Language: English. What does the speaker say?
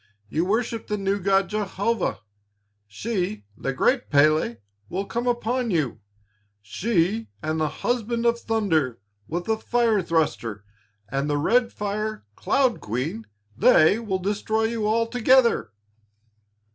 You worship the new God Jehovah. She, the great Pélé, will come upon you, she and the Husband of Thunder, with the Fire Thruster, and the Red Fire Cloud Queen, they will destroy you altogether."